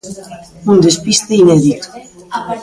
Un despiste inédito.